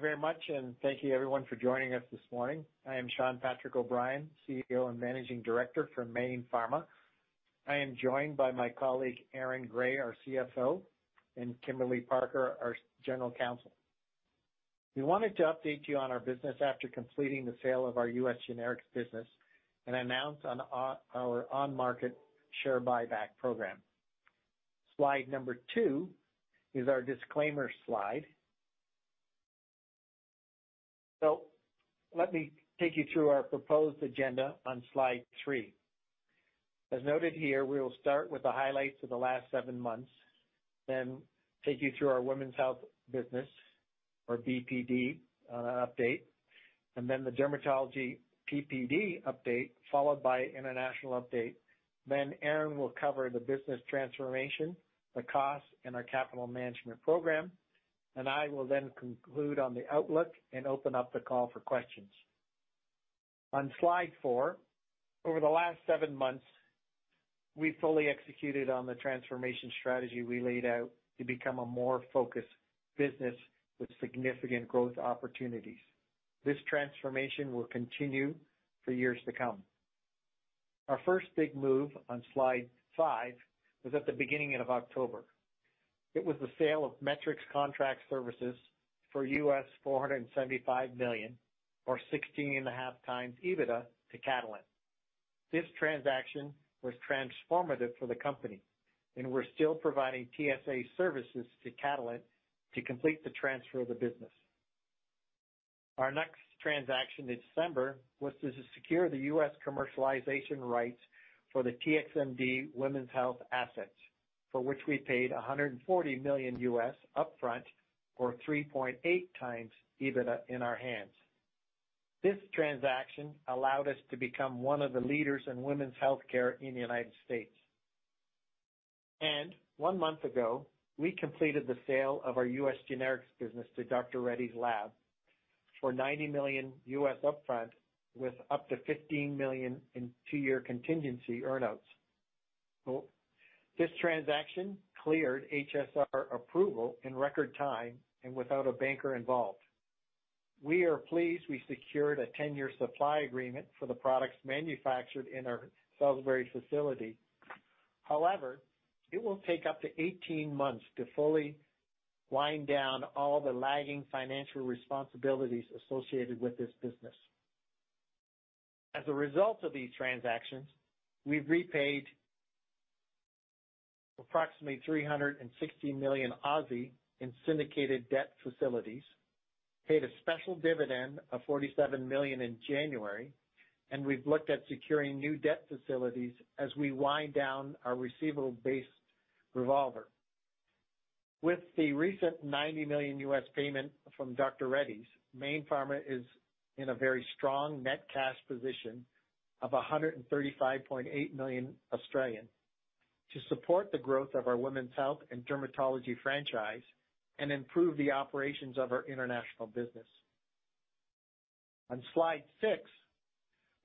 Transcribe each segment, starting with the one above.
Thank you very much. Thank you everyone for joining us this morning. I am Shawn Patrick O'Brien, CEO and Managing Director for Mayne Pharma. I am joined by my colleague, Aaron Gray, our CFO, and Kimberly Parker, our General Counsel. We wanted to update you on our business after completing the sale of our US Generics business and announce our on-market share buyback program. Slide number two is our disclaimer slide. Let me take you through our proposed agenda on slide three. As noted here, we will start with the highlights of the last seven months, then take you through our Women's Health business or BPD update, and then the Dermatology PPD update, followed by international update. Aaron will cover the business transformation, the costs, and our capital management program. I will then conclude on the outlook and open up the call for questions. On slide four, over the last seven months, we've fully executed on the transformation strategy we laid out to become a more focused business with significant growth opportunities. This transformation will continue for years to come. Our first big move on slide five was at the beginning of October. It was the sale of Metrics Contract Services for $475 million or 16.5x EBITDA to Catalent. This transaction was transformative for the company, and we're still providing TSA services to Catalent to complete the transfer of the business. Our next transaction in December was to secure the U.S. commercialization rights for the TXMD women's health assets, for which we paid $140 million upfront or 3.8x EBITDA in our hands. This transaction allowed us to become one of the leaders in women's healthcare in the United States. One month ago, we completed the sale of our US Generics business to Dr. Reddy's Lab for $90 million upfront with up to $15 million in two-year contingency earn-outs. This transaction cleared HSR approval in record time and without a banker involved. We are pleased we secured a 10-year supply agreement for the products manufactured in our Salisbury facility. However, it will take up to 18 months to fully wind down all the lagging financial responsibilities associated with this business. As a result of these transactions, we've repaid approximately 360 million in syndicated debt facilities, paid a special dividend of 47 million in January. We've looked at securing new debt facilities as we wind down our receivable-based revolver. With the recent $90 million payment from Dr. Reddy's, Mayne Pharma is in a very strong net cash position of 135.8 million. to support the growth of our women's health and dermatology franchise and improve the operations of our international business. On slide six,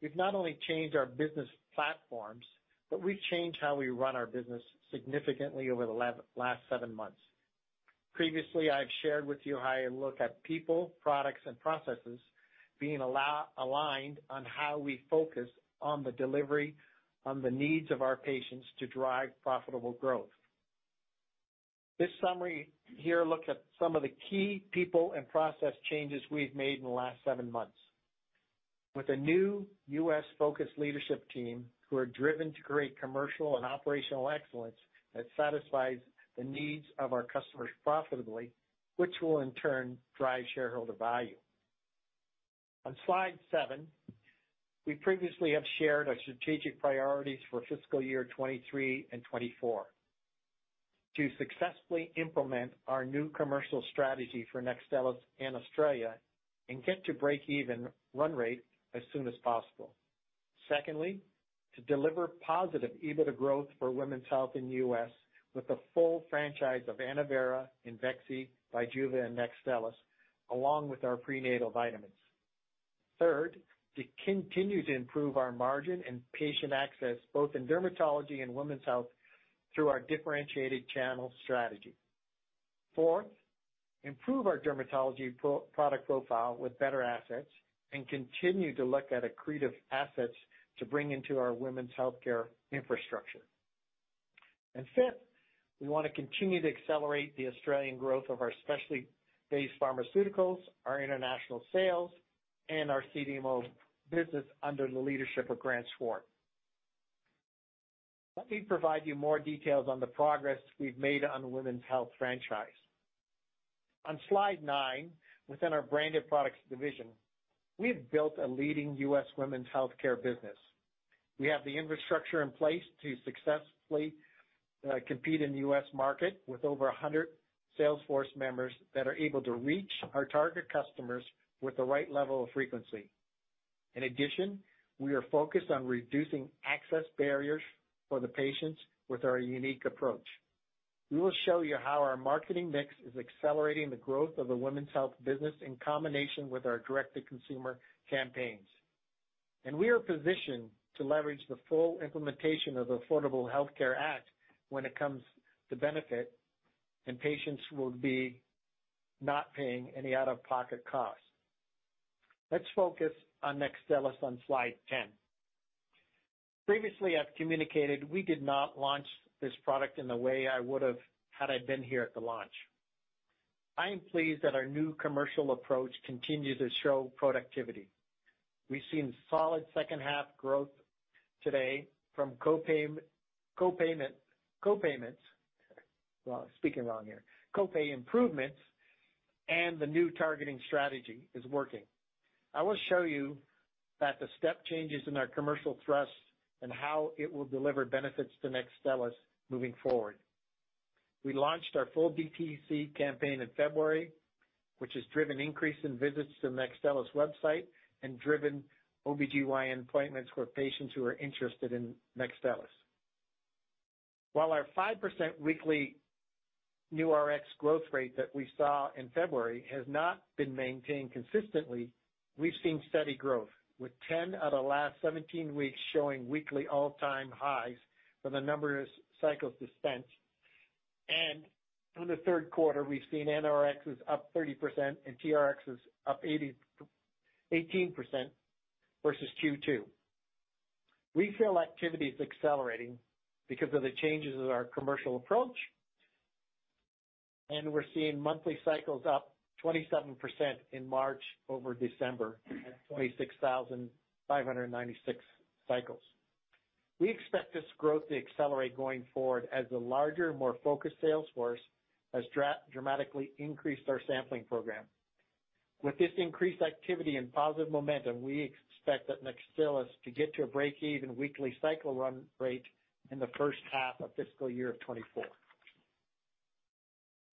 we've not only changed our business platforms, but we've changed how we run our business significantly over the last seven months. Previously, I've shared with you how I look at people, products, and processes being aligned on how we focus on the delivery, on the needs of our patients to drive profitable growth. This summary here look at some of the key people and process changes we've made in the last seven months. With a new U.S.-focused leadership team who are driven to create commercial and operational excellence that satisfies the needs of our customers profitably, which will in turn drive shareholder value. On slide seven, we previously have shared our strategic priorities for fiscal year 2023 and 2024 to successfully implement our new commercial strategy for NEXTSTELLIS in Australia and get to break-even run rate as soon as possible. Secondly, to deliver positive EBITDA growth for women's health in the U.S. with the full franchise of ANNOVERA, IMVEXXY, BIJUVA, and NEXTSTELLIS, along with our prenatal vitamins. Third, to continue to improve our margin and patient access, both in dermatology and women's health through our differentiated channel strategy. Fourth, improve our dermatology pro-product profile with better assets and continue to look at accretive assets to bring into our women's healthcare infrastructure. Fifth, we wanna continue to accelerate the Australian growth of our specialty-based pharmaceuticals, our international sales, and our CDMO business under the leadership of Grant Schwartz. Let me provide you more details on the progress we've made on the women's health franchise. On slide nine, within our branded products division, we have built a leading U.S. women's healthcare business. We have the infrastructure in place to successfully compete in the U.S. market with over 100 salesforce members that are able to reach our target customers with the right level of frequency. In addition, we are focused on reducing access barriers for the patients with our unique approach. We will show you how our marketing mix is accelerating the growth of the women's health business in combination with our direct-to-consumer campaigns. We are positioned to leverage the full implementation of Affordable Care Act when it comes to benefit, and patients will be not paying any out-of-pocket costs. Let's focus on NEXTSTELLIS on slide 10. Previously, I've communicated we did not launch this product in the way I would have had I been here at the launch. I am pleased that our new commercial approach continues to show productivity. We've seen solid second half growth today from copayments. Speaking wrong here. Copay improvements and the new targeting strategy is working. I will show you that the step changes in our commercial thrust and how it will deliver benefits to NEXTSTELLIS moving forward. We launched our full DTC campaign in February, which has driven increase in visits to NEXTSTELLIS website and driven OBGYN appointments for patients who are interested in NEXTSTELLIS. While our 5% weekly new Rx growth rate that we saw in February has not been maintained consistently, we've seen steady growth, with 10 out of the last 17 weeks showing weekly all-time highs for the number of cycles dispensed. In the third quarter, we've seen NRx is up 30% and TRx is up 18% versus Q2. We feel activity is accelerating because of the changes in our commercial approach, and we're seeing monthly cycles up 27% in March over December at 26,596 cycles. We expect this growth to accelerate going forward as the larger, more focused sales force has dramatically increased our sampling program. With this increased activity and positive momentum, we expect that NEXTSTELLIS to get to a break-even weekly cycle run rate in the first half of fiscal year of 2024.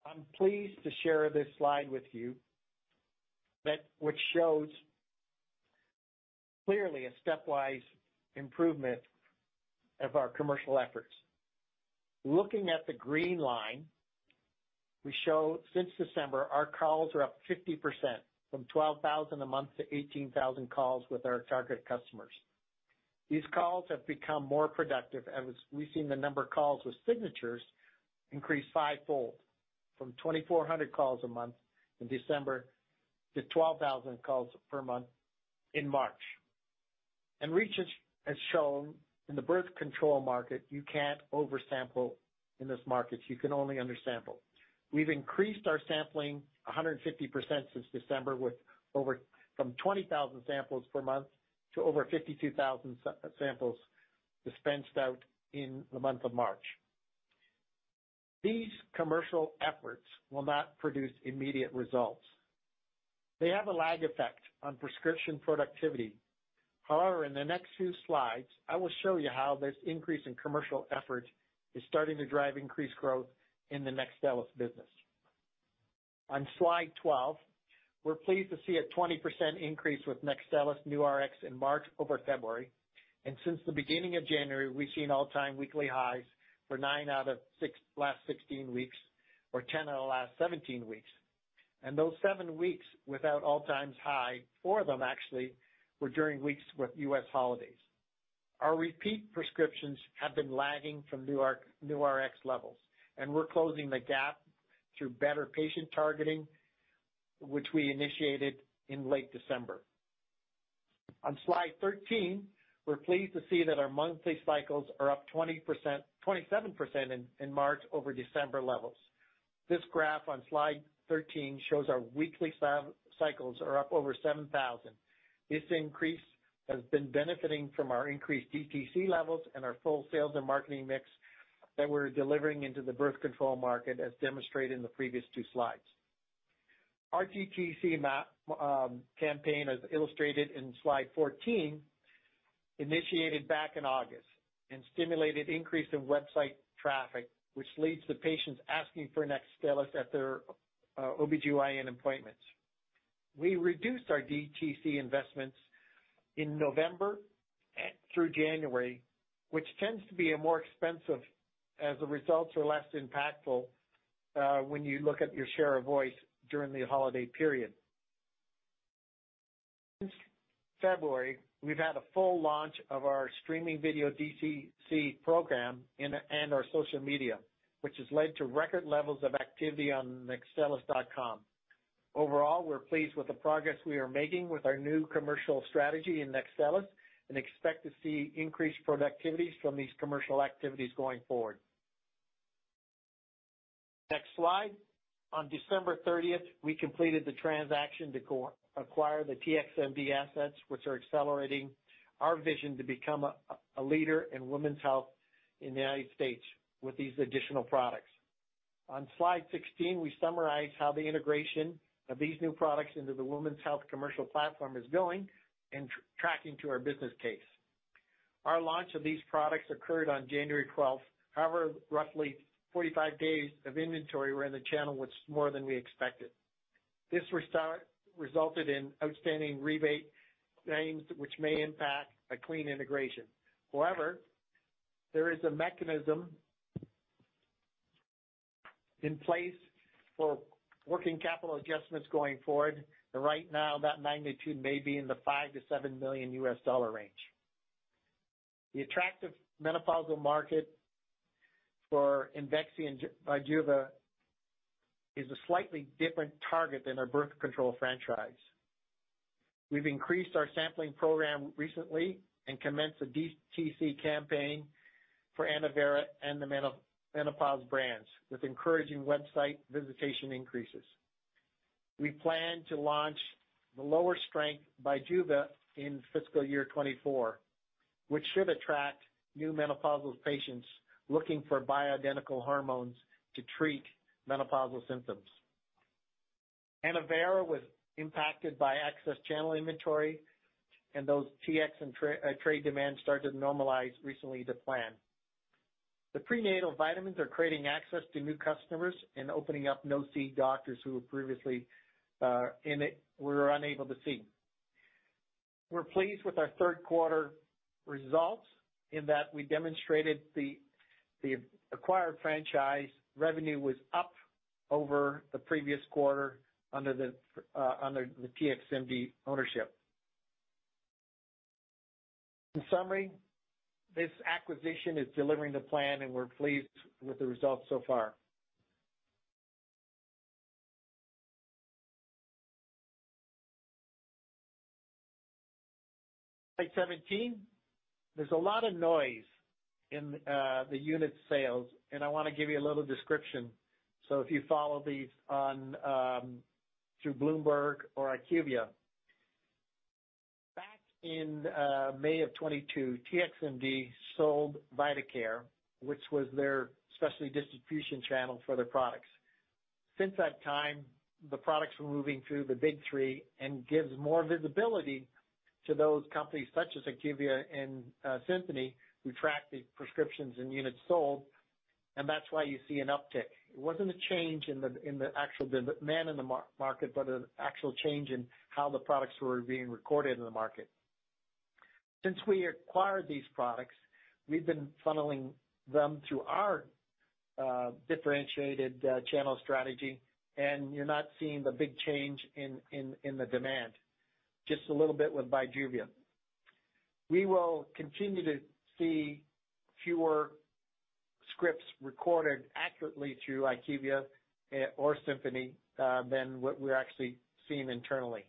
I'm pleased to share this slide with you which shows clearly a stepwise improvement of our commercial efforts. Looking at the green line, we show since December, our calls are up 50% from 12,000 a month to 18,000 calls with our target customers. These calls have become more productive as we've seen the number of calls with signatures increase fivefold from 2,400 calls a month in December to 12,000 calls per month in March. Research has shown in the birth control market, you can't oversample in this market, you can only undersample. We've increased our sampling 150% since December, with over from 20,000 samples per month to over 52,000 samples dispensed out in the month of March. These commercial efforts will not produce immediate results. They have a lag effect on prescription productivity. In the next few slides, I will show you how this increase in commercial effort is starting to drive increased growth in the NEXTSTELLIS business. On slide 12, we're pleased to see a 20% increase with NEXTSTELLIS new Rx in March over February. Since the beginning of January, we've seen all-time weekly highs for nine out of last 16 weeks or 10 out of the last 17 weeks. Those seven weeks without all-times high, four of them actually were during weeks with U.S. holidays. Our repeat prescriptions have been lagging from new Rx levels, and we're closing the gap through better patient targeting, which we initiated in late December. On slide 13, we're pleased to see that our monthly cycles are up 27% in March over December levels. This graph on slide 13 shows our weekly cycles are up over 7,000. This increase has been benefiting from our increased DTC levels and our full sales and marketing mix that we're delivering into the birth control market, as demonstrated in the previous two slides. Our DTC campaign, as illustrated in slide 14, initiated back in August and stimulated increase in website traffic, which leads to patients asking for NEXTSTELLIS at their OBGYN appointments. We reduced our DTC investments in November through January, which tends to be a more expensive as the results are less impactful when you look at your share of voice during the holiday period. Since February, we've had a full launch of our streaming video DTC program and our social media, which has led to record levels of activity on nextstellis.com. Overall, we're pleased with the progress we are making with our new commercial strategy in NEXTSTELLIS and expect to see increased productivities from these commercial activities going forward. Next slide. On December 30th, we completed the transaction to acquire the TXMD assets, which are accelerating our vision to become a leader in women's health in the United States with these additional products. On slide 16, we summarize how the integration of these new products into the women's health commercial platform is going and tracking to our business case. Our launch of these products occurred on January 12th. However, roughly 45 days of inventory were in the channel, which is more than we expected. This resulted in outstanding rebate claims which may impact a clean integration. There is a mechanism in place for working capital adjustments going forward, and right now that magnitude may be in the $5 million-$7 million range. The attractive menopausal market for IMVEXXY and BIJUVA is a slightly different target than our birth control franchise. We've increased our sampling program recently and commenced a DTC campaign for ANNOVERA and the menopause brands with encouraging website visitation increases. We plan to launch the lower strength BIJUVA in fiscal year 2024, which should attract new menopausal patients looking for bioidentical hormones to treat menopausal symptoms. ANNOVERA was impacted by access channel inventory, and those TXMD and trade demand started to normalize recently to plan. The prenatal vitamins are creating access to new customers and opening up no-seed doctors who were previously were unable to seed. We're pleased with our third quarter results in that we demonstrated the acquired franchise revenue was up over the previous quarter under the TXMD ownership. In summary, this acquisition is delivering the plan, and we're pleased with the results so far. Slide 17. There's a lot of noise in the unit sales, and I wanna give you a little description. If you follow these on through Bloomberg or IQVIA. Back in May of 2022, TXMD sold VitaCare, which was their specialty distribution channel for their products. Since that time, the products were moving through the big three and gives more visibility to those companies, such as IQVIA and Symphony, who track the prescriptions and units sold, and that's why you see an uptick. It wasn't a change in the actual demand in the market, but an actual change in how the products were being recorded in the market. Since we acquired these products, we've been funneling them through our differentiated channel strategy, and you're not seeing the big change in the demand. Just a little bit with BIJUVA. We will continue to see fewer scripts recorded accurately through IQVIA or Symphony than what we're actually seeing internally.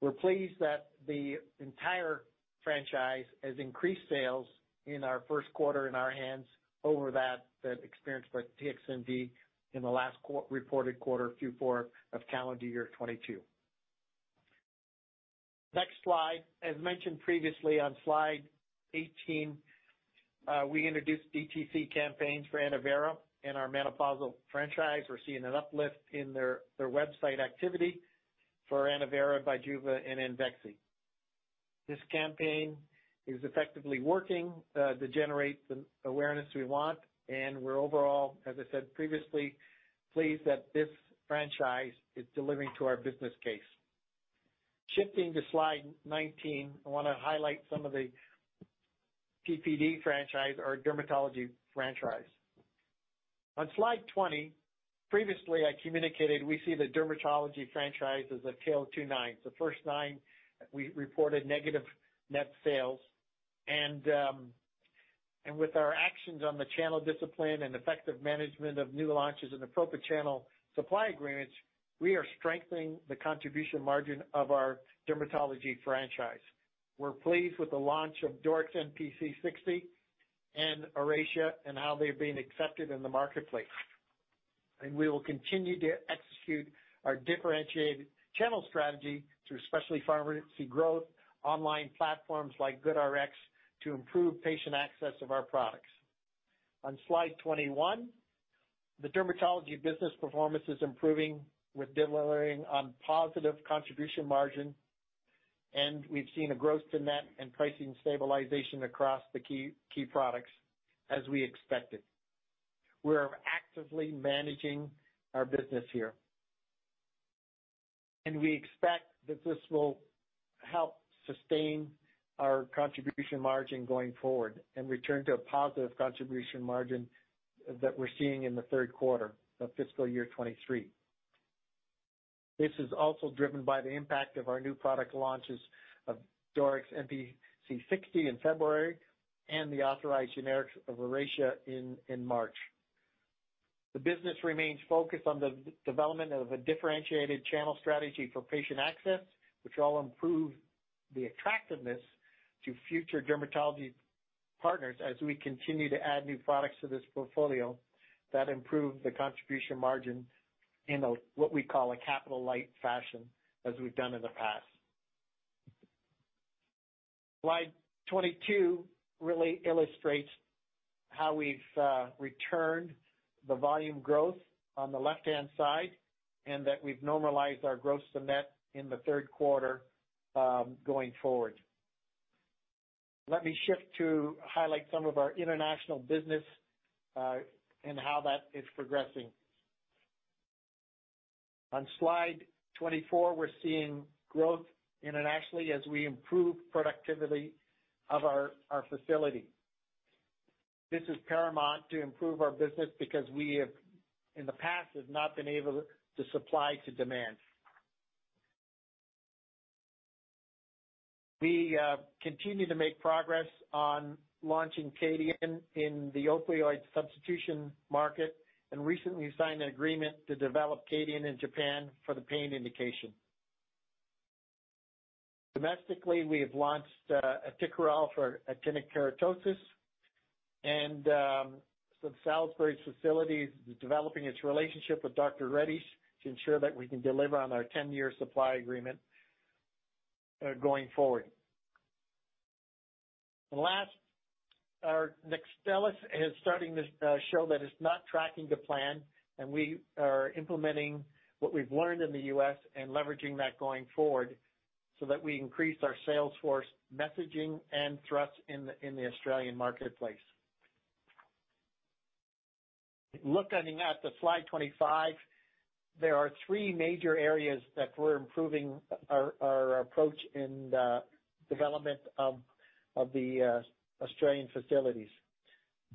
We're pleased that the entire franchise has increased sales in our first quarter in our hands over that experience by TXMD in the last reported quarter Q4 of calendar year 2022. Next slide. As mentioned previously on slide 18, we introduced DTC campaigns for ANNOVERA and our menopausal franchise. We're seeing an uplift in their website activity for ANNOVERA, BIJUVA, and IMVEXXY. This campaign is effectively working to generate the awareness we want. We're overall, as I said previously, pleased that this franchise is delivering to our business case. Shifting to slide 19, I wanna highlight some of the PPD franchise or dermatology franchise. On slide 20, previously I communicated we see the dermatology franchise as a tail 2-9. The first nine we reported negative net sales. With our actions on the channel discipline and effective management of new launches and appropriate channel supply agreements, we are strengthening the contribution margin of our dermatology franchise. We're pleased with the launch of Doryx MPC 60 mg and ORACEA and how they're being accepted in the marketplace. We will continue to execute our differentiated channel strategy through specialty pharmacy growth, online platforms like GoodRx to improve patient access of our products. On slide 21, the dermatology business performance is improving with delivering on positive contribution margin, we've seen a gross to net and pricing stabilization across the key products as we expected. We are actively managing our business here. We expect that this will help sustain our contribution margin going forward and return to a positive contribution margin that we're seeing in the third quarter of fiscal year 2023. This is also driven by the impact of our new product launches of Doryx MPC 60mg in February and the authorized generics of ORACEA in March. The business remains focused on the development of a differentiated channel strategy for patient access, which will improve the attractiveness to future dermatology partners as we continue to add new products to this portfolio that improve the contribution margin in a, what we call a capital light fashion as we've done in the past. Slide 22 really illustrates how we've returned the volume growth on the left-hand side and that we've normalized our gross to net in the third quarter going forward. Let me shift to highlight some of our international business and how that is progressing. Slide 24, we're seeing growth internationally as we improve productivity of our facility. This is paramount to improve our business because we have, in the past, have not been able to supply to demand. We continue to make progress on launching KADIAN in the opioid substitution market and recently signed an agreement to develop KADIAN in Japan for the pain indication. Domestically, we have launched ACTIKERALL for actinic keratosis. The Salisbury facility is developing its relationship with Dr. Reddy's to ensure that we can deliver on our 10-year supply agreement going forward. Last, our NEXTSTELLIS is starting to show that it's not tracking to plan, and we are implementing what we've learned in the U.S. and leveraging that going forward so that we increase our sales force messaging and thrust in the Australian marketplace. Look, I mean, at the slide 25, there are three major areas that we're improving our approach in the development of the Australian facilities.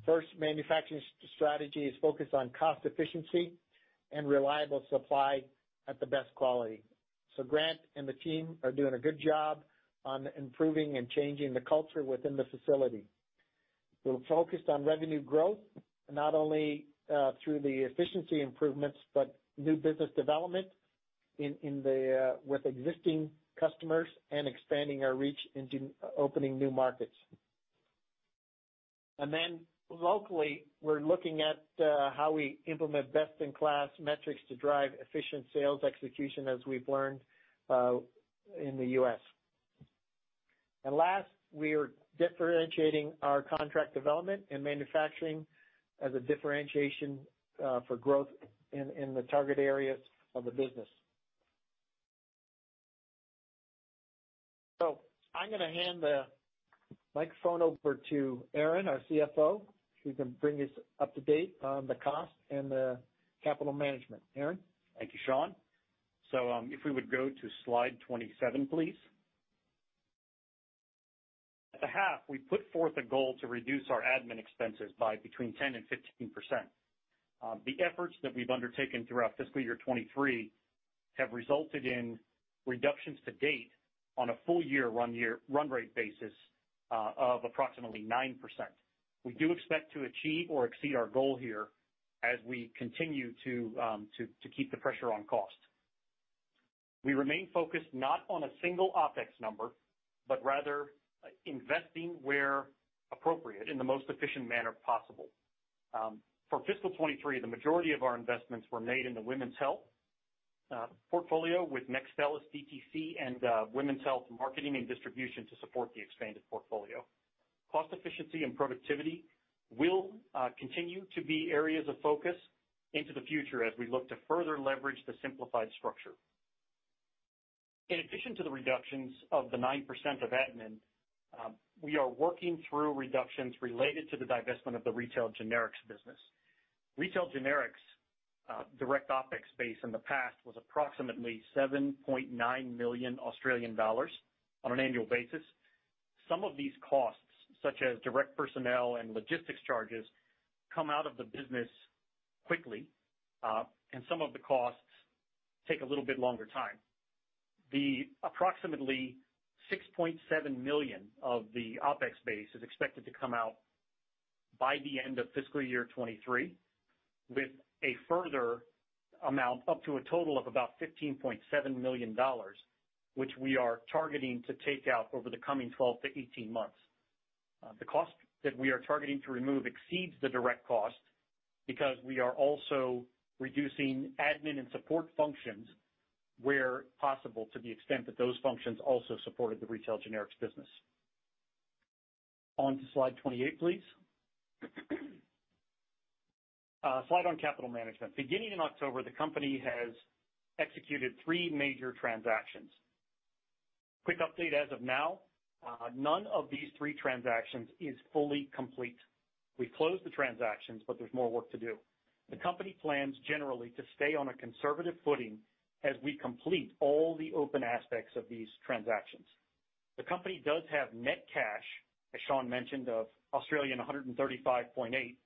First, manufacturing strategy is focused on cost efficiency and reliable supply at the best quality. Grant and the team are doing a good job on improving and changing the culture within the facility. We're focused on revenue growth, not only through the efficiency improvements, but new business development in the with existing customers and expanding our reach into opening new markets. Then locally, we're looking at how we implement best-in-class metrics to drive efficient sales execution as we've learned in the U.S. Last, we are differentiating our contract development and manufacturing as a differentiation for growth in the target areas of the business. I'm gonna hand the microphone over to Aaron, our CFO. He can bring us up to date on the cost and the capital management. Aaron? Thank you, Shawn. If we would go to slide 27, please. At the half, we put forth a goal to reduce our admin expenses by between 10% and 15%. The efforts that we've undertaken throughout fiscal year 2023 have resulted in reductions to date on a full year run rate basis of approximately 9%. We do expect to achieve or exceed our goal here as we continue to keep the pressure on cost. We remain focused not on a single OpEx number, but rather investing where appropriate in the most efficient manner possible. For fiscal 2023, the majority of our investments were made in the women's health portfolio with NEXTSTELLIS DTC and women's health marketing and distribution to support the expanded portfolio. Cost efficiency and productivity will continue to be areas of focus into the future as we look to further leverage the simplified structure. In addition to the reductions of the 9% of admin, we are working through reductions related to the divestment of the retail generics business. Retail generics direct OpEx base in the past was approximately 7.9 million Australian dollars on an annual basis. Some of these costs, such as direct personnel and logistics charges, come out of the business quickly, and some of the costs take a little bit longer time. The approximately $6.7 million of the OpEx base is expected to come out by the end of fiscal year 2023, with a further amount up to a total of about $15.7 million, which we are targeting to take out over the coming 12 to 18 months. The cost that we are targeting to remove exceeds the direct cost because we are also reducing admin and support functions where possible, to the extent that those functions also supported the retail generics business. On to slide 28, please. Slide on caital management. Beginning in October, the company has executed three major transactions. Quick update as of now, none of these three transactions is fully complete. We closed the transactions, there's more work to do. The company plans generally to stay on a conservative footing as we complete all the open aspects of these transactions. The company does have net cash, as Shawn mentioned, of 135.8 million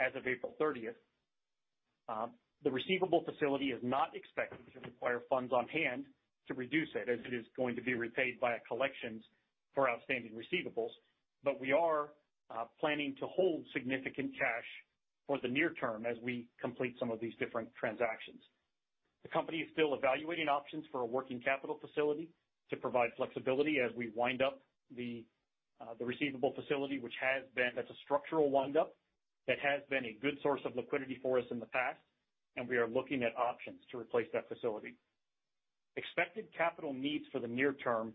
as of April 30th. The receivable facility is not expected to require funds on hand to reduce it as it is going to be repaid via collections for outstanding receivables. We are planning to hold significant cash for the near term as we complete some of these different transactions. The company is still evaluating options for a working capital facility to provide flexibility as we wind up the receivable facility, that's a structural wind up, that has been a good source of liquidity for us in the past. We are looking at options to replace that facility. Expected capital needs for the near term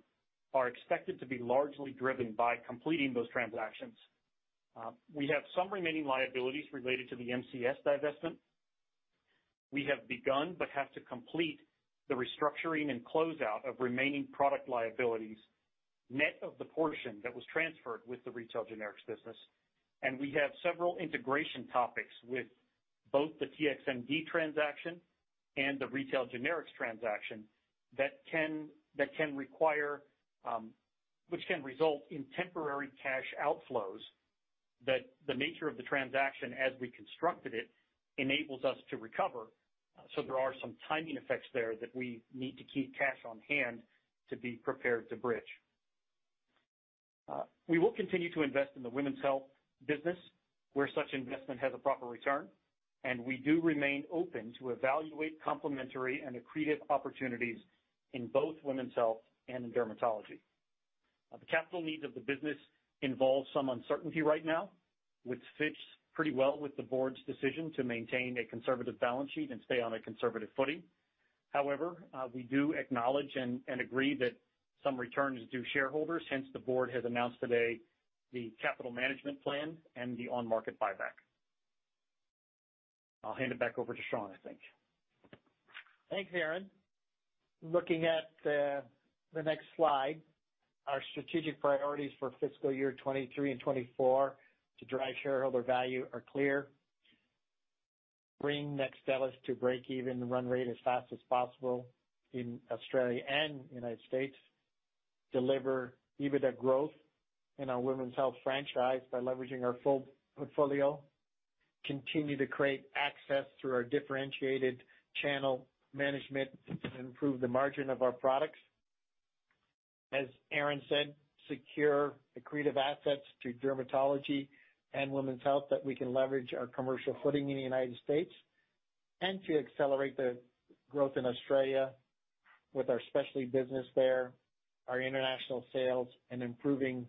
are expected to be largely driven by completing those transactions. We have some remaining liabilities related to the MCS divestment. We have begun, but have to complete the restructuring and closeout of remaining product liabilities net of the portion that was transferred with the retail generics business. We have several integration topics with both the TXMD transaction and the retail generics transaction that can require which can result in temporary cash outflows that the nature of the transaction as we constructed it enables us to recover. There are some timing effects there that we need to keep cash on hand to be prepared to bridge. We will continue to invest in the women's health business where such investment has a proper return, and we do remain open to evaluate complementary and accretive opportunities in both women's health and in dermatology. The capital needs of the business involve some uncertainty right now, which fits pretty well with the board's decision to maintain a conservative balance sheet and stay on a conservative footing. However, we do acknowledge and agree that some return is due shareholders, hence the board has announced today the capital management plan and the on-market buyback. I'll hand it back over to Shawn, I think. Thanks, Aaron. Looking at the next slide, our strategic priorities for fiscal year 2023 and 2024 to drive shareholder value are clear. Bring NEXTSTELLIS to breakeven run rate as fast as possible in Australia and United States. Deliver EBITDA growth in our women's health franchise by leveraging our full portfolio. Continue to create access through our differentiated channel management and improve the margin of our products. As Aaron said, secure accretive assets to dermatology and women's health that we can leverage our commercial footing in the United States. To accelerate the growth in Australia with our specialty business there, our international sales, and improving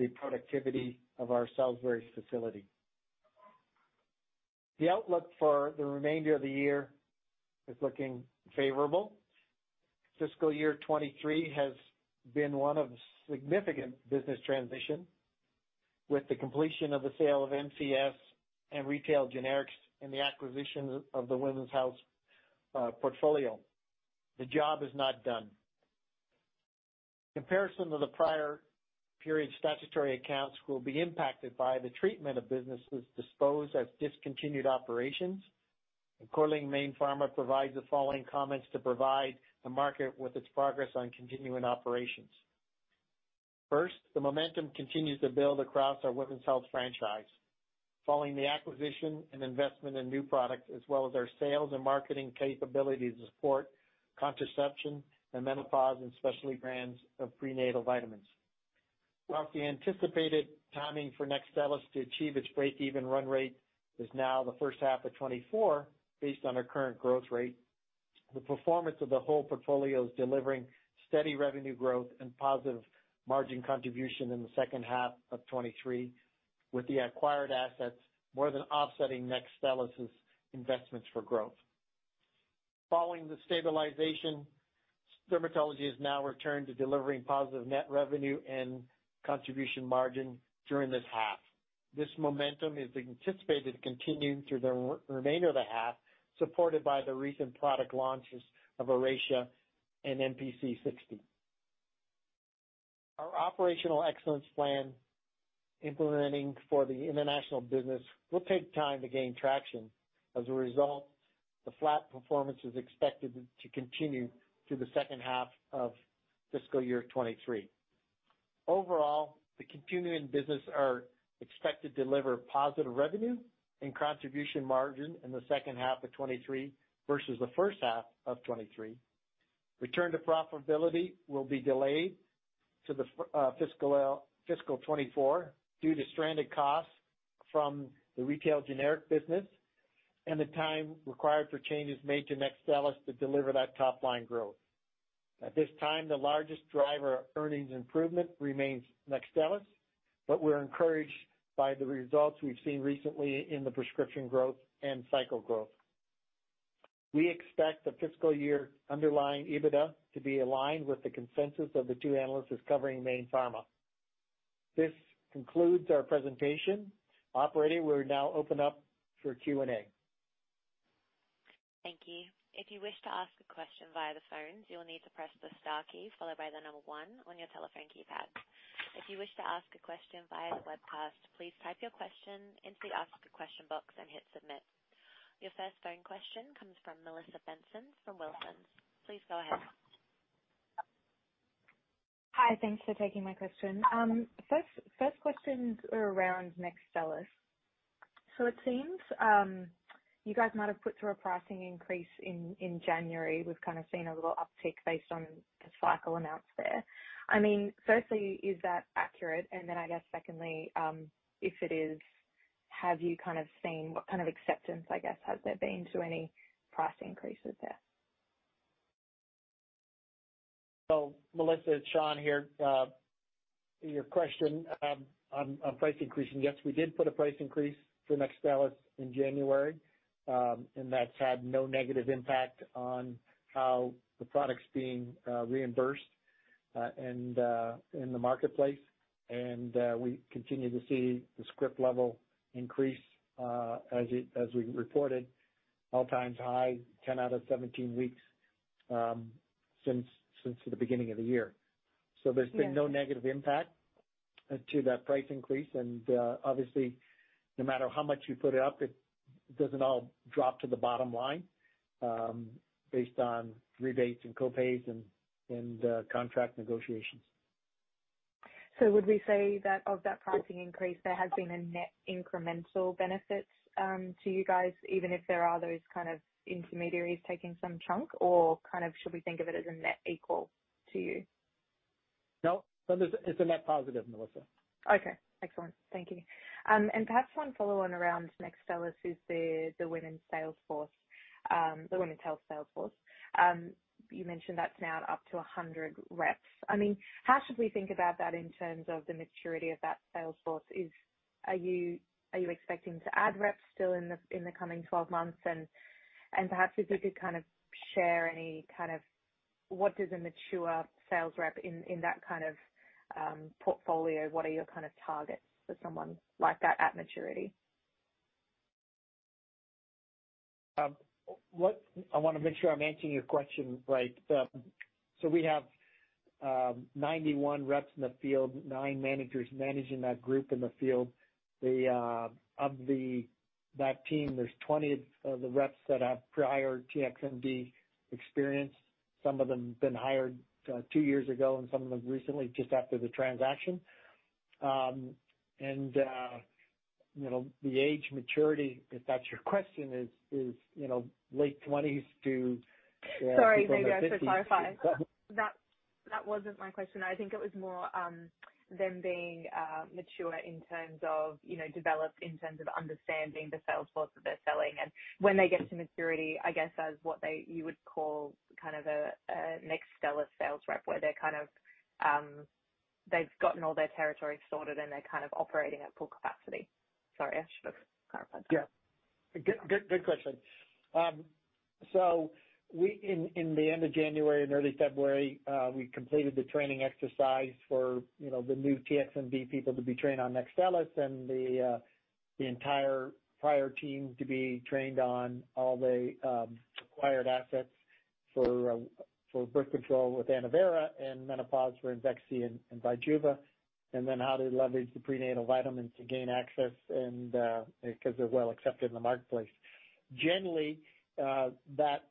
the productivity of our Salisbury facility. The outlook for the remainder of the year is looking favorable. Fiscal year 2023 has been one of significant business transition with the completion of the sale of MCS and retail generics and the acquisition of the women's health portfolio. The job is not done. Comparison to the prior period statutory accounts will be impacted by the treatment of businesses disposed as discontinued operations. Accordingly, Mayne Pharma provides the following comments to provide the market with its progress on continuing operations. First, the momentum continues to build across our women's health franchise. Following the acquisition and investment in new products as well as our sales and marketing capabilities to support contraception and menopause and specialty brands of prenatal vitamins. While the anticipated timing for NEXTSTELLIS to achieve its breakeven run rate is now the first half of 2024 based on our current growth rate, the performance of the whole portfolio is delivering steady revenue growth and positive margin contribution in the second half of 2023, with the acquired assets more than offsetting NEXTSTELLIS' investments for growth. Following the stabilization, dermatology has now returned to delivering positive net revenue and contribution margin during this half. This momentum is anticipated to continue through the re-remainder of the half, supported by the recent product launches of ORACEA and MPC 60 mg. Our operational excellence plan implementing for the international business will take time to gain traction. As a result, the flat performance is expected to continue through the second half of fiscal year 2023. Overall, the continuing business are expected to deliver positive revenue and contribution margin in the second half of 2023 versus the first half of 2023. Return to profitability will be delayed to fiscal 2024 due to stranded costs from the retail generic business and the time required for changes made to NEXTSTELLIS to deliver that top line growth. At this time, the largest driver of earnings improvement remains NEXTSTELLIS, but we're encouraged by the results we've seen recently in the prescription growth and cycle growth. We expect the fiscal year underlying EBITDA to be aligned with the consensus of the two analysts covering Mayne Pharma. This concludes our presentation. Operator, we will now open up for Q&A. Thank you. If you wish to ask a question via the phones, you will need to press the star key followed by the number one on your telephone keypad. If you wish to ask a question via the webcast, please type your question into the ask a question box and hit submit. Your first phone question comes from Melissa Benson from Wilson. Please go ahead. Hi. Thanks for taking my question. first question's around NEXTSTELLIS. It seems, you guys might have put through a pricing increase in January. We've kind of seen a little uptick based on the cycle announced there. I mean, firstly, is that accurate? I guess secondly, if it is, have you kind of seen what kind of acceptance, I guess, has there been to any price increases there? Melissa, it's Shawn here. your question on price increasing, yes, we did put a price increase for NEXTSTELLIS in January, and that's had no negative impact on how the product's being reimbursed and in the marketplace. we continue to see the script level increase as we reported. All times high, 10 out of 17 weeks since the beginning of the year. Yeah. There's been no negative impact to that price increase. Obviously, no matter how much you put it up, it doesn't all drop to the bottom line, based on rebates and co-pays and contract negotiations. Would we say that of that pricing increase, there has been a net incremental benefit to you guys, even if there are those kind of intermediaries taking some chunk? kind of should we think of it as a net equal to you? No. It's a net positive, Melissa. Okay. Excellent. Thank you. Perhaps one follow on around NEXTSTELLIS, who's the winning sales force, the winning health sales force. You mentioned that's now up to 100 reps. I mean, how should we think about that in terms of the maturity of that sales force? Are you expecting to add reps still in the coming 12 months? Perhaps if you could kind of share any kind of what does a mature sales rep in that kind of portfolio, what are your kind of targets for someone like that at maturity? I wanna make sure I'm answering your question right. We have 91 reps in the field, nine managers managing that group in the field. Of that team, there's 20 of the reps that have prior TXMD experience. Some of them been hired two years ago and some of them recently just after the transaction. You know, the age maturity, if that's your question, is, you know, late 20s to. Sorry, maybe I should clarify. Yeah. That wasn't my question. I think it was more them being mature in terms of, you know, developed in terms of understanding the sales force that they're selling. When they get to maturity, I guess, as you would call kind of a NEXTSTELLIS sales rep, where they're kind of, they've gotten all their territory sorted and they're kind of operating at full capacity. Sorry, I should have clarified. Yeah. Good, good question. So in the end of January and early February, we completed the training exercise for, you know, the new TXMD people to be trained on NEXTSTELLIS and the entire prior team to be trained on all the acquired assets for birth control with ANNOVERA and menopause for IMVEXXY and BIJUVA, and then how to leverage the prenatal vitamins to gain access and 'cause they're well accepted in the marketplace. Generally, that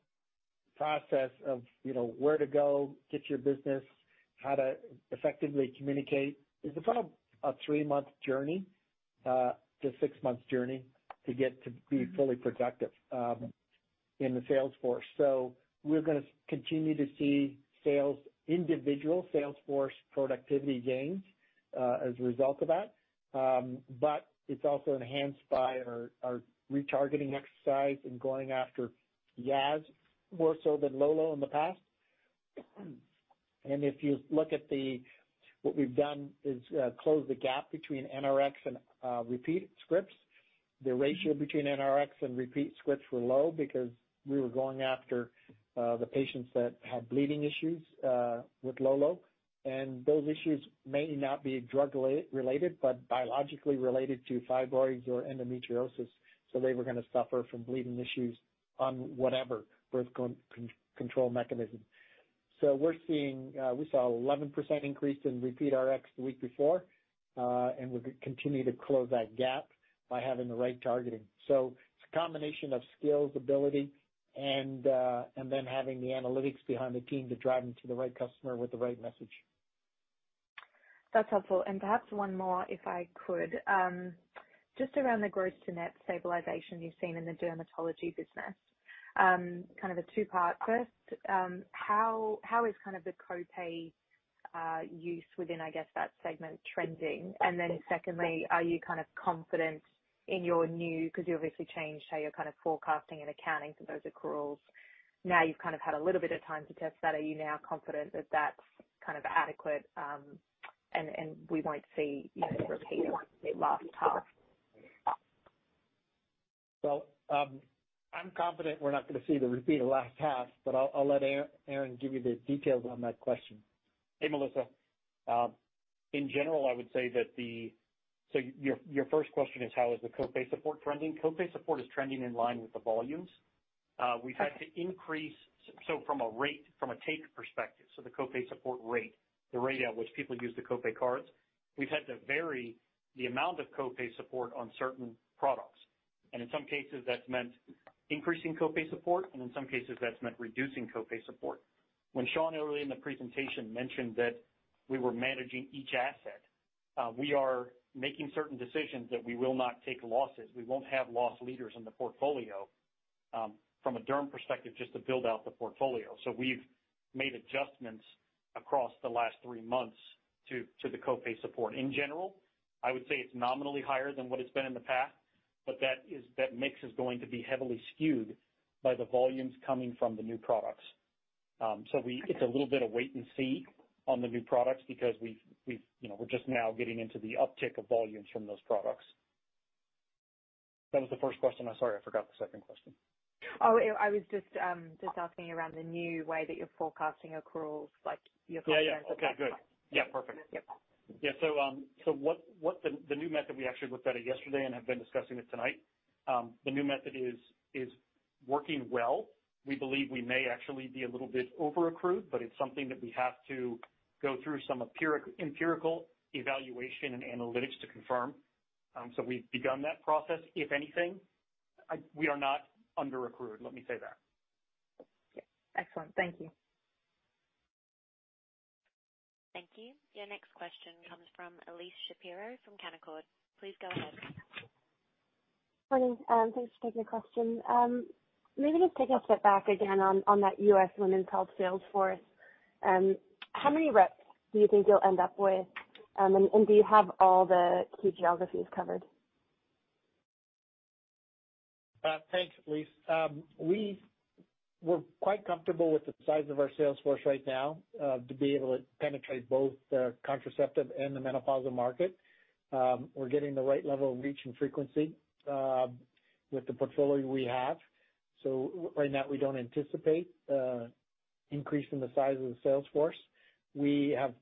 process of, you know, where to go get your business, how to effectively communicate, is about a three-month journey to six-month journey to get to be fully productive in the sales force. We're gonna continue to see sales, individual sales force productivity gains as a result of that. It's also enhanced by our retargeting exercise and going after Yaz more so than Lolo in the past. If you look at what we've done is close the gap between NRx and repeat scripts. The ratio between NRx and repeat scripts were low because we were going after the patients that had bleeding issues with Lolo. Those issues may not be drug-related, but biologically related to fibroids or endometriosis. They were gonna suffer from bleeding issues on whatever birth control mechanism. We saw 11% increase in repeat RX the week before, and we're gonna continue to close that gap by having the right targeting. It's a combination of skills, ability and having the analytics behind the team to drive them to the right customer with the right message. That's helpful. Perhaps one more, if I could. Just around the gross to net stabilization you've seen in the dermatology business. Kind of a two-part. First, how is kind of the co-pay use within, I guess, that segment trending? Then secondly, are you kind of confident in your new 'cause you obviously changed how you're kind of forecasting and accounting for those accruals. Now you've kind of had a little bit of time to test that. Are you now confident that that's kind of adequate and we won't see repeat of the last half? I'm confident we're not gonna see the repeat of last half, but I'll let Aaron give you the details on that question. Hey, Melissa. In general, I would say that your first question is how is the co-pay support trending? Co-pay support is trending in line with the volumes. We've had to increase, from a rate, from a take perspective, the co-pay support rate, the rate at which people use the co-pay cards, we've had to vary the amount of co-pay support on certain products. In some cases, that's meant increasing co-pay support, and in some cases, that's meant reducing co-pay support. When Shawn earlier in the presentation mentioned that we were managing each asset, we are making certain decisions that we will not take losses. We won't have loss leaders in the portfolio, from a derm perspective, just to build out the portfolio. We've made adjustments across the last three months to the co-pay support. In general, I would say it's nominally higher than what it's been in the past. That mix is going to be heavily skewed by the volumes coming from the new products. Okay. It's a little bit of wait and see on the new products because we've, you know, we're just now getting into the uptick of volumes from those products. That was the first question. I'm sorry, I forgot the second question. I was just asking around the new way that you're forecasting accruals. Yeah. Okay, good. Yeah, perfect. Yep. Yeah. What the new method, we actually looked at it yesterday and have been discussing it tonight. The new method is working well. We believe we may actually be a little bit over-accrued. It's something that we have to go through some empirical evaluation and analytics to confirm. We've begun that process. If anything, we are not under-accrued, let me say that. Okay. Excellent. Thank you. Thank you. Your next question comes from Elyse Shapiro from Canaccord. Please go ahead. Morning. thanks for taking the question. maybe just take a step back again on that U.S. women's health sales force. how many reps do you think you'll end up with? do you have all the key geographies covered? Thanks, Elyse. We're quite comfortable with the size of our sales force right now to be able to penetrate both the contraceptive and the menopausal market. We're getting the right level of reach and frequency with the portfolio we have. Right now we don't anticipate increase in the size of the sales force. We have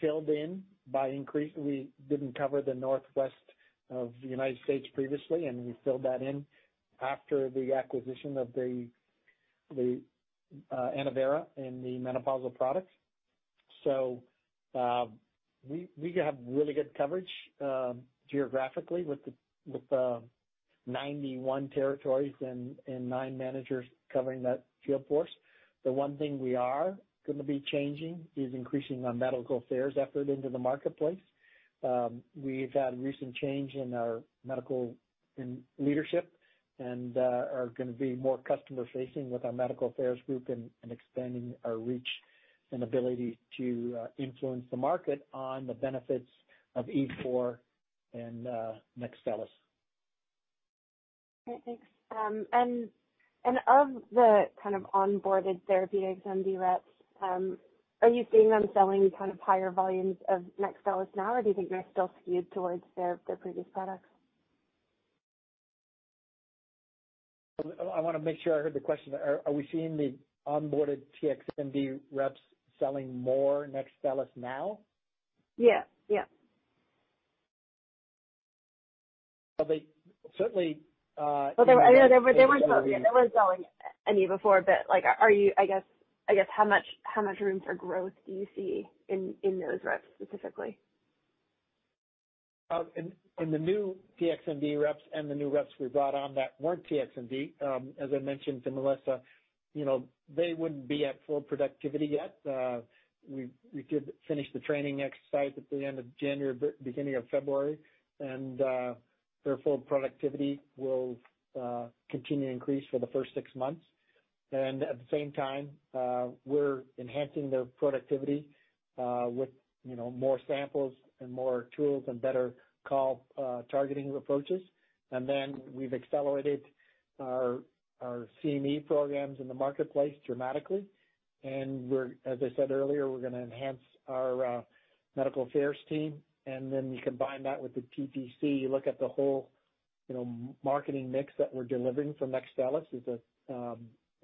filled in by increase. We didn't cover the northwest of the United States previously, and we filled that in after the acquisition of the ANNOVERA and the menopausal products. We have really good coverage geographically with the 91 territories and nine managers covering that field force. The one thing we are gonna be changing is increasing our medical affairs effort into the marketplace. We've had recent change in our medical and leadership and, are gonna be more customer-facing with our medical affairs group and expanding our reach and ability to, influence the market on the benefits of E4 and, NEXTSTELLIS. Okay, thanks. Of the kind of onboarded therapeutics and the reps, are you seeing them selling kind of higher volumes of NEXTSTELLIS now or do you think they're still skewed towards their previous products? I wanna make sure I heard the question. Are we seeing the onboarded TXMD reps selling more NEXTSTELLIS now? Yeah. Yeah. They certainly. They weren't selling any before, like, I guess how much rooms or growth do you see in those reps specifically? In the new TXMD reps and the new reps we brought on that weren't TXMD, as I mentioned to Melissa, you know, they wouldn't be at full productivity yet. We did finish the training exercise at the end of January, beginning of February, and their full productivity will continue to increase for the first six months. At the same time, we're enhancing their productivity with, you know, more samples and more tools and better call targeting approaches. We've accelerated our CME programs in the marketplace dramatically. We're, as I said earlier, we're gonna enhance our medical affairs team, and then you combine that with the TPC, you look at the whole, you know, marketing mix that we're delivering for NEXTSTELLIS is that,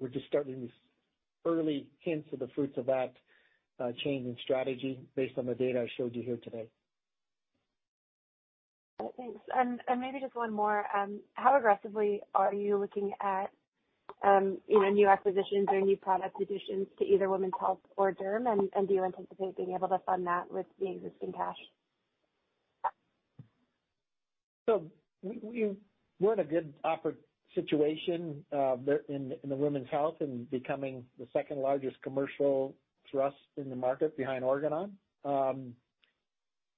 we're just starting these early hints of the fruits of that change in strategy based on the data I showed you here today. Thanks. Maybe just one more. How aggressively are you looking at, you know, new acquisitions or new product additions to either women's health or derm? Do you anticipate being able to fund that with the existing cash? We're in a good situation there in the women's health and becoming the second largest commercial thrust in the market behind Organon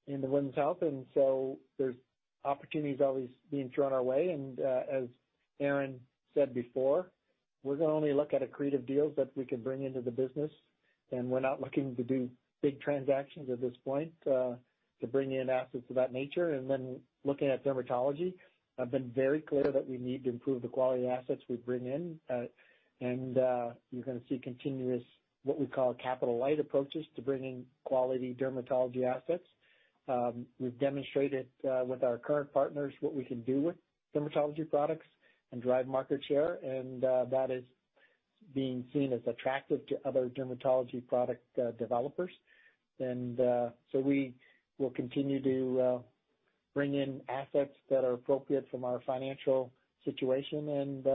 in the women's health. There's opportunities always being thrown our way. As Aaron said before, we're gonna only look at accretive deals that we can bring into the business. We're not looking to do big transactions at this point to bring in assets of that nature. Looking at dermatology, I've been very clear that we need to improve the quality of assets we bring in. You're gonna see continuous, what we call capital light approaches to bring in quality dermatology assets. We've demonstrated with our current partners what we can do with dermatology products and drive market share, and that is being seen as attractive to other dermatology product developers. We will continue to bring in assets that are appropriate from our financial situation and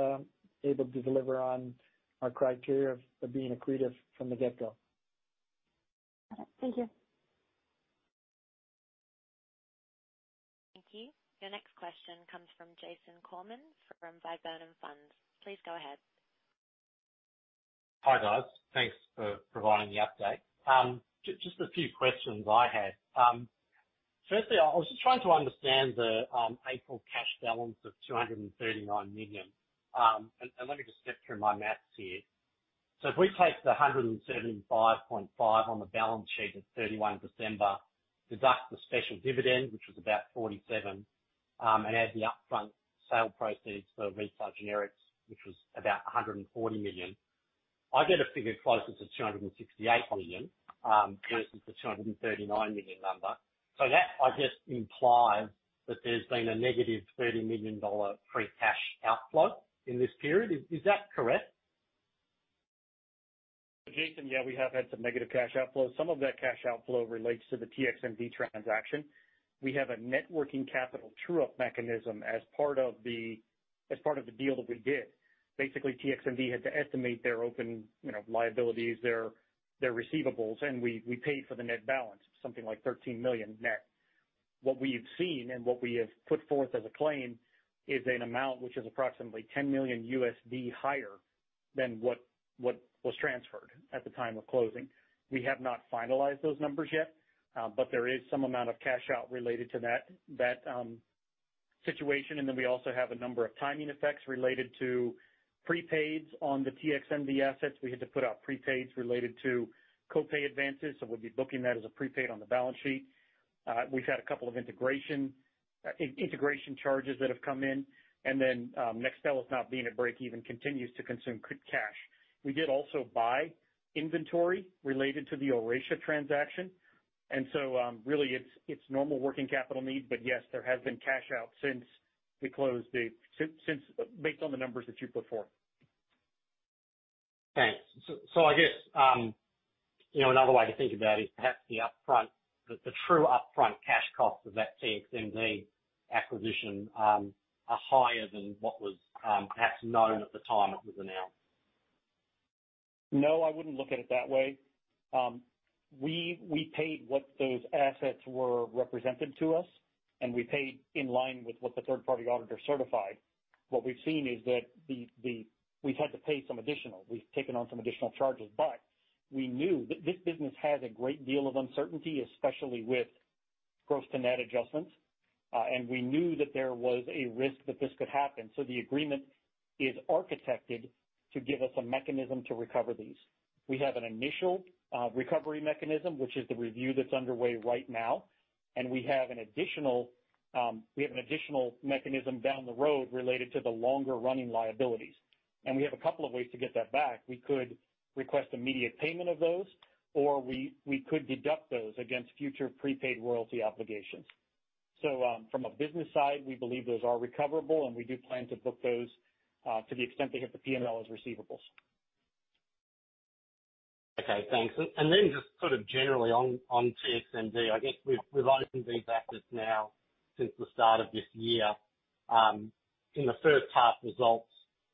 able to deliver on our criteria of being accretive from the get-go. Got it. Thank you. Thank you. Your next question comes from Jason Korman from Viburnum Funds. Please go ahead. Hi, guys. Thanks for providing the update. Just a few questions I had. Firstly, I was just trying to understand the April cash balance of 239 million. Let me just step through my math here. If we take the 175.5 on the balance sheet at 31 December, deduct the special dividend, which was about 47 million, and add the upfront sale proceeds for Retail Generics, which was about 140 million, I get a figure closer to 268 million versus the 239 million number. That, I guess, implies that there's been a negative 30 million dollar free cash outflow in this period. Is that correct? Jason, yeah, we have had some negative cash outflows. Some of that cash outflow relates to the TXMD transaction. We have a networking capital true-up mechanism as part of the deal that we did. Basically, TXMD had to estimate their open, you know, liabilities, their receivables, and we paid for the net balance, something like $13 million net. What we have seen and what we have put forth as a claim is an amount which is approximately $10 million higher than what was transferred at the time of closing. We have not finalized those numbers yet, there is some amount of cash out related to that situation. We also have a number of timing effects related to prepaids on the TXMD assets. We had to put out prepaids related to co-pay advances, we'll be booking that as a prepaid on the balance sheet. We've had a couple of integration charges that have come in, NEXTSTELLIS has not been at breakeven, continues to consume cash. We did also buy inventory related to the ORACEA transaction, really, it's normal working capital need. Yes, there has been cash out Since, based on the numbers that you put forward. Thanks. I guess, you know, another way to think about it is perhaps the upfront, the true upfront cash cost of that TXMD acquisition, are higher than what was, perhaps known at the time it was announced. No, I wouldn't look at it that way. We paid what those assets were represented to us. We paid in line with what the third-party auditor certified. What we've seen is that we've had to pay some additional. We've taken on some additional charges. We knew this business has a great deal of uncertainty, especially with gross to net adjustments. We knew that there was a risk that this could happen. The agreement is architected to give us a mechanism to recover these. We have an initial recovery mechanism, which is the review that's underway right now. We have an additional mechanism down the road related to the longer running liabilities. We have a couple of ways to get that back. We could request immediate payment of those, or we could deduct those against future prepaid royalty obligations. From a business side, we believe those are recoverable, and we do plan to book those to the extent they hit the P&L as receivables. Okay, thanks. Then just sort of generally on TXMD, I guess we've opened these assets now since the start of this year. In the first half results,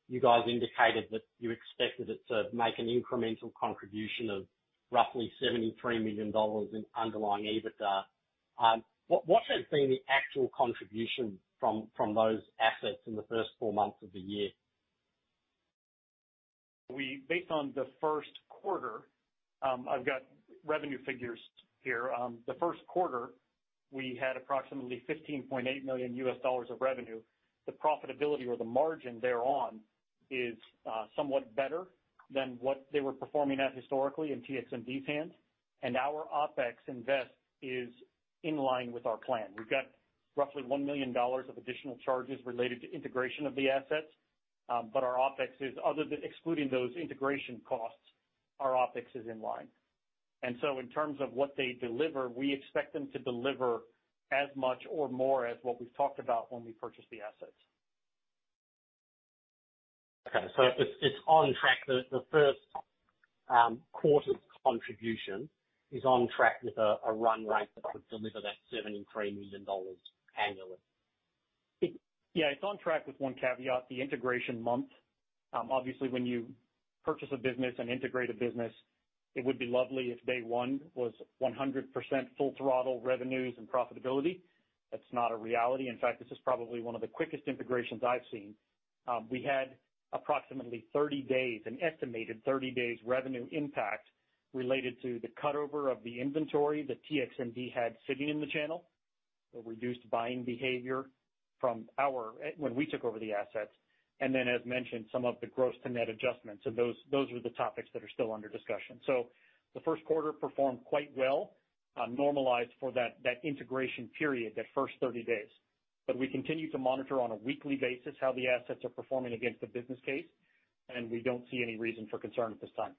you guys indicated that you expected it to make an incremental contribution of roughly $73 million in underlying EBITDA. What has been the actual contribution from those assets in the first four months of the year? Based on the first quarter, I've got revenue figures here. The first quarter, we had approximately $15.8 million of revenue. The profitability or the margin thereon is somewhat better than what they were performing at historically in TXMD's hands. Our OpEx invest is in line with our plan. We've got roughly $1 million of additional charges related to integration of the assets. Our OpEx is excluding those integration costs, our OpEx is in line. In terms of what they deliver, we expect them to deliver as much or more as what we've talked about when we purchased the assets. It's on track. The first quarter's contribution is on track with a run rate that would deliver that 73 million dollars annually. Yeah, it's on track with one caveat, the integration month. Obviously, when you purchase a business, an integrated business, it would be lovely if day one was 100% full throttle revenues and profitability. That's not a reality. In fact, this is probably one of the quickest integrations I've seen. We had approximately 30 days, an estimated 30 days revenue impact related to the cut over of the inventory that TXMD had sitting in the channel. The reduced buying behavior from our, when we took over the assets, and then as mentioned, some of the gross to net adjustments. Those were the topics that are still under discussion. The first quarter performed quite well, normalized for that integration period, that first 30 days. We continue to monitor on a weekly basis how the assets are performing against the business case, and we don't see any reason for concern at this time.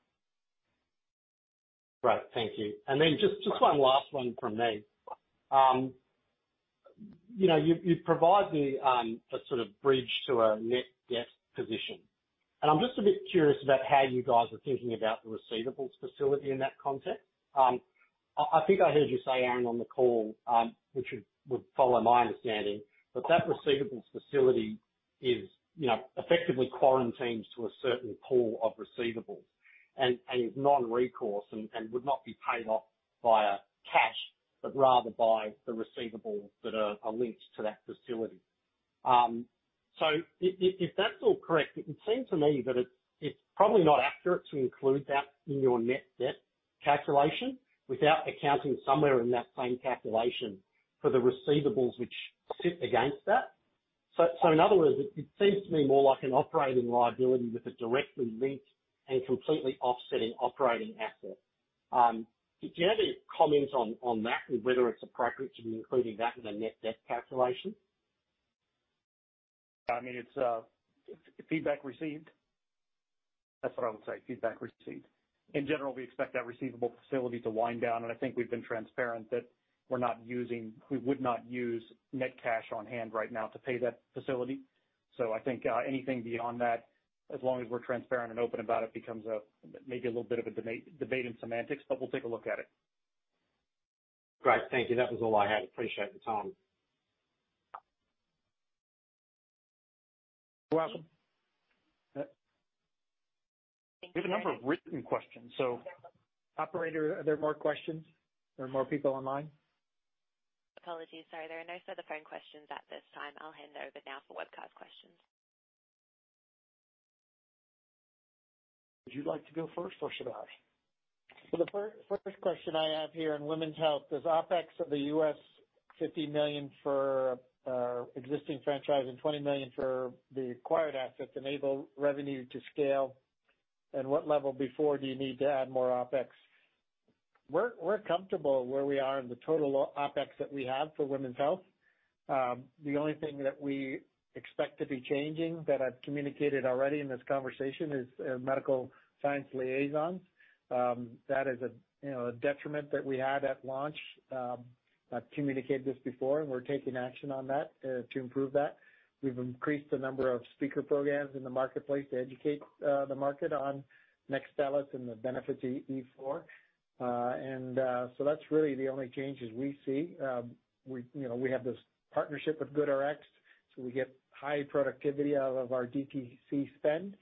Right. Thank you. Just one last one from me. You know, you provide a sort of bridge to a net debt position. I'm just a bit curious about how you guys are thinking about the receivables facility in that context. I think I heard you say, Aaron, on the call, which would follow my understanding, but that receivables facility is, you know, effectively quarantined to a certain pool of receivables and is non-recourse and would not be paid off via cash, but rather by the receivables that are linked to that facility. If that's all correct, it would seem to me that it's probably not accurate to include that in your net debt calculation without accounting somewhere in that same calculation for the receivables which sit against that. In other words, it seems to me more like an operating liability with a directly linked and completely offsetting operating asset. Do you have any comments on that and whether it's appropriate to be including that in a net debt calculation? I mean, it's feedback received. That's what I would say. Feedback received. In general, we expect that receivable facility to wind down, and I think we've been transparent that we would not use net cash on hand right now to pay that facility. I think anything beyond that, as long as we're transparent and open about it, becomes maybe a little bit of a debate in semantics, but we'll take a look at it. Great. Thank you. That was all I had. Appreciate the time. You're welcome. Thank you. We have a number of written questions, so Operator, are there more questions? Are there more people online? Apologies. Sorry. There are no further phone questions at this time. I'll hand over now for webcast questions. Would you like to go first or should I? The first question I have here in women's health, does OpEx of the $50 million for existing franchise and $20 million for the acquired assets enable revenue to scale? What level before do you need to add more OpEx? We're comfortable where we are in the total OpEx that we have for women's health. The only thing that we expect to be changing that I've communicated already in this conversation is medical science liaisons. That is a, you know, a detriment that we had at launch. I've communicated this before, and we're taking action on that to improve that. We've increased the number of speaker programs in the marketplace to educate the market on NEXTSTELLIS and the benefits E4. That's really the only changes we see. We, you know, we have this partnership with GoodRx, so we get high productivity out of our DTC spend.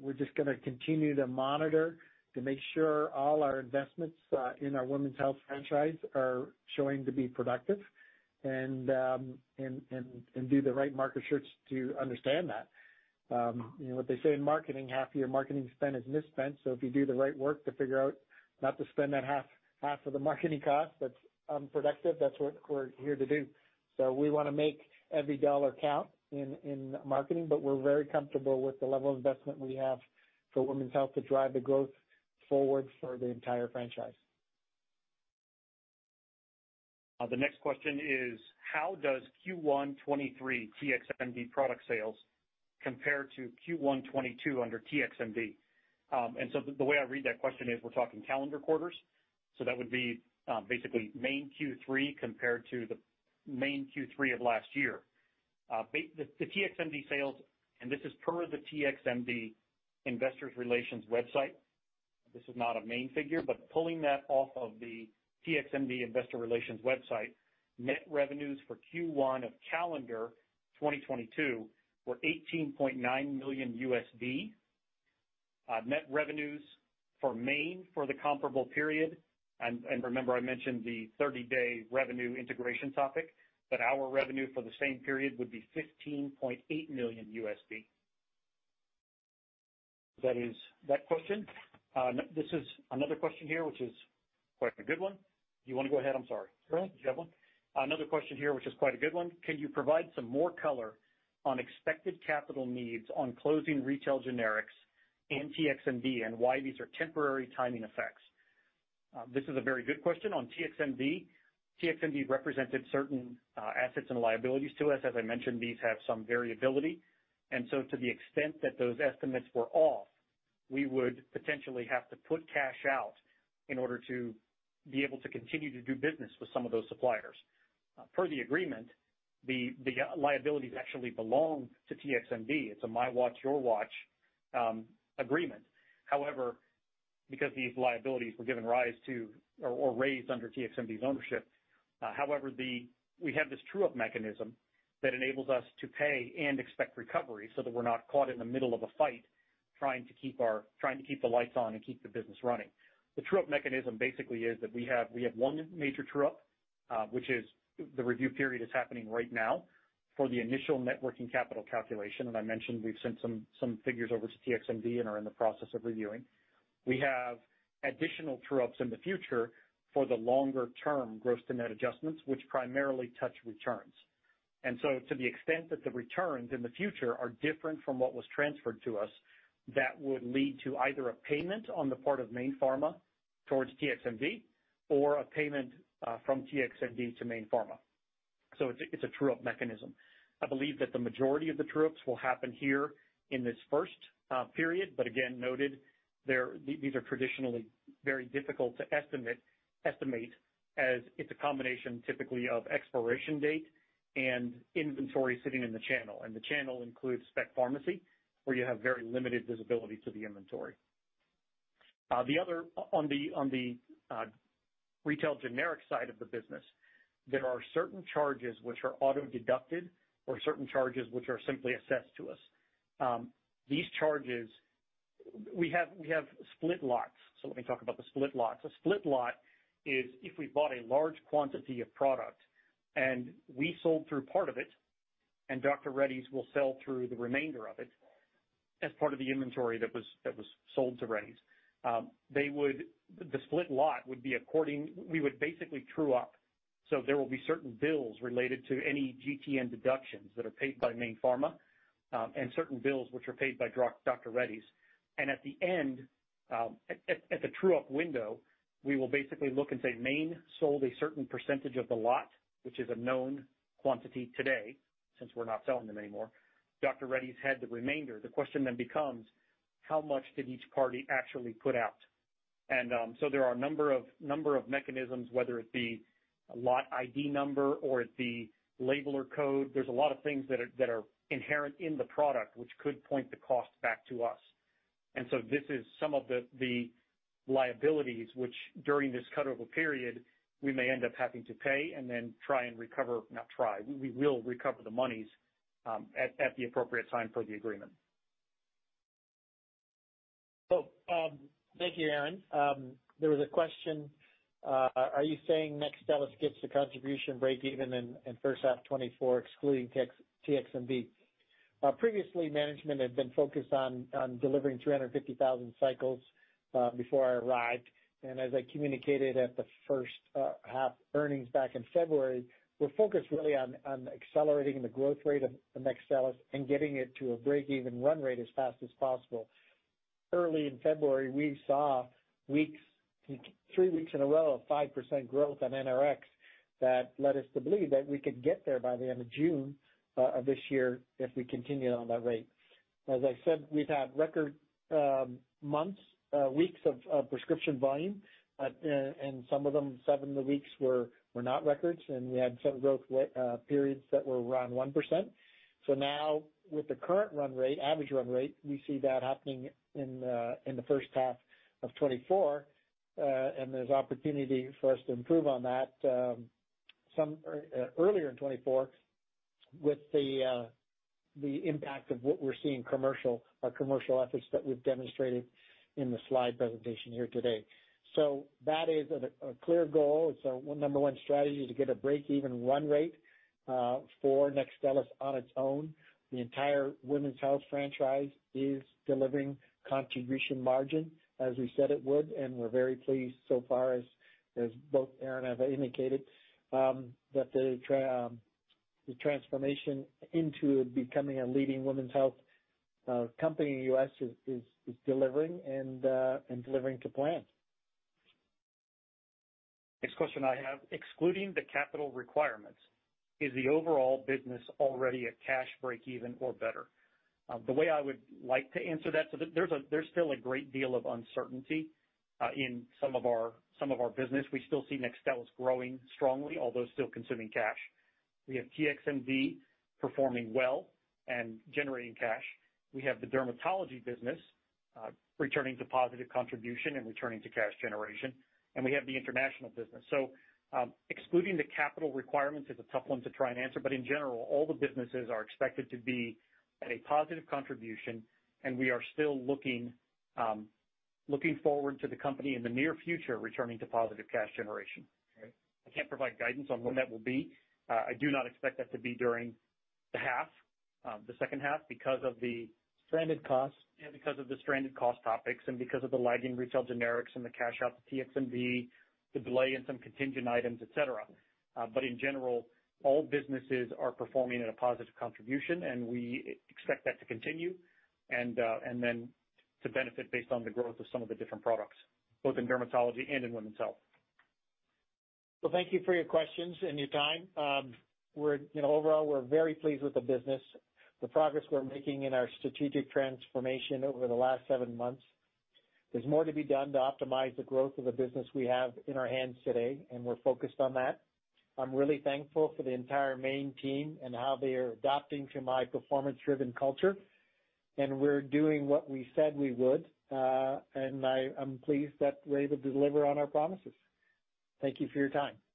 We're just gonna continue to monitor to make sure all our investments in our women's health franchise are showing to be productive and do the right market research to understand that. You know what they say in marketing, half of your marketing spend is misspent. If you do the right work to figure out not to spend that half of the marketing cost that's unproductive, that's what we're here to do. We wanna make every dollar count in marketing, but we're very comfortable with the level of investment we have for women's health to drive the growth forward for the entire franchise. The next question is, how does Q1 2023 TXMD product sales compare to Q1 2022 under TXMD? The way I read that question is we're talking calendar quarters, so that would be, basically Mayne Q3 compared to the Mayne Q3 of last year. The TXMD sales, and this is per the TXMD Investor Relations website. This is not a Mayne figure. Pulling that off of the TXMD Investor Relations website, net revenues for Q1 of calendar 2022 were $18.9 million. Net revenues for Mayne for the comparable period, remember I mentioned the 30-day revenue integration topic, our revenue for the same period would be $15.8 million. That is that question. This is another question here, which is quite a good one. Do you wanna go ahead? I'm sorry. Go ahead. Did you have one? Another question here, which is quite a good one. Can you provide some more color on expected capital needs on closing Retail Generics and TXMD and why these are temporary timing effects? This is a very good question on TXMD. TXMD represented certain assets and liabilities to us. As I mentioned, these have some variability, and so to the extent that those estimates were off, we would potentially have to put cash out in order to be able to continue to do business with some of those suppliers. Per the agreement, the liabilities actually belong to TXMD. It's a my watch, your watch, agreement. Because these liabilities were given rise to or raised under TXMD's ownership, however, we have this true-up mechanism that enables us to pay and expect recovery so that we're not caught in the middle of a fight trying to keep the lights on and keep the business running. The true-up mechanism basically is that we have one major true-up, which is the review period is happening right now for the initial net working capital calculation. As I mentioned, we've sent some figures over to TXMD and are in the process of reviewing. We have additional true-ups in the future for the longer-term gross to net adjustments, which primarily touch returns. To the extent that the returns in the future are different from what was transferred to us, that would lead to either a payment on the part of Mayne Pharma towards TXMD or a payment from TXMD to Mayne Pharma. It's a true-up mechanism. I believe that the majority of the true-ups will happen here in this first period, but again, noted there. These are traditionally very difficult to estimate as it's a combination typically of expiration date and inventory sitting in the channel. The channel includes specialty pharmacy, where you have very limited visibility to the inventory. The other on the Retail Generic side of the business, there are certain charges which are auto-deducted or certain charges which are simply assessed to us. These charges. We have split lots. Let me talk about the split lots. A split lot is if we bought a large quantity of product and we sold through part of it and Dr. Reddy's will sell through the remainder of it as part of the inventory that was sold to Reddy's, they would the split lot would be according we would basically true-up. There will be certain bills related to any GTN deductions that are paid by Mayne Pharma, and certain bills which are paid by Dr. Reddy's. At the end, at the true-up window, we will basically look and say, "Mayne sold a certain percentage of the lot, which is a known quantity today, since we're not selling them anymore. Dr. Reddy's had the remainder." The question then becomes, how much did each party actually put out? There are a number of mechanisms, whether it be a lot ID number or the labeler code. There's a lot of things that are inherent in the product, which could point the cost back to us. This is some of the liabilities which during this cut-over period, we may end up having to pay and then try and recover. Not try. We will recover the monies at the appropriate time per the agreement. Thank you, Aaron Gray. There was a question, are you saying NEXTSTELLIS gets the contribution breakeven in first half 2024, excluding TXMD? Previously, management had been focused on delivering 350,000 cycles before I arrived. As I communicated at the first half earnings back in February, we're focused really on accelerating the growth rate of NEXTSTELLIS and getting it to a breakeven run rate as fast as possible. Early in February, we saw three weeks in a row of 5% growth on NRx that led us to believe that we could get there by the end of June of this year if we continue on that rate. As I said, we've had record months, weeks of prescription volume. Some of them, seven of the weeks were not records, and we had some growth periods that were around 1%. Now, with the current run rate, average run rate, we see that happening in the first half of 2024. There's opportunity for us to improve on that, some earlier in 2024 with the impact of what we're seeing commercial or commercial efforts that we've demonstrated in the slide presentation here today. That is a clear goal. It's a number one strategy to get a breakeven run rate for NEXTSTELLIS on its own. The entire women's health franchise is delivering contribution margin, as we said it would. We're very pleased so far, as both Aaron have indicated, that the transformation into becoming a leading women's health company in U.S. is delivering and delivering to plan. Next question I have: excluding the capital requirements, is the overall business already at cash breakeven or better? The way I would like to answer that, there's still a great deal of uncertainty in some of our business. We still see NEXTSTELLIS growing strongly, although still consuming cash. We have TXMD performing well and generating cash. We have the dermatology business returning to positive contribution and returning to cash generation. We have the international business. Excluding the capital requirements is a tough one to try and answer, but in general, all the businesses are expected to be at a positive contribution and we are still looking looking forward to the company in the near future, returning to positive cash generation. I can't provide guidance on when that will be. I do not expect that to be during the half, the second half because of the. Stranded costs. Yeah, because of the stranded cost topics and because of the lagging retail generics and the cash out to TXMD, the delay in some contingent items, et cetera. In general, all businesses are performing at a positive contribution, and we expect that to continue and then to benefit based on the growth of some of the different products, both in dermatology and in women's health. Well, thank you for your questions and your time. You know, overall, we're very pleased with the business, the progress we're making in our strategic transformation over the last seven months. There's more to be done to optimize the growth of the business we have in our hands today, and we're focused on that. I'm really thankful for the entire Mayne team and how they are adapting to my performance-driven culture. We're doing what we said we would, and I'm pleased that we're able to deliver on our promises. Thank you for your time.